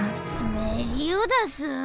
メリオダス？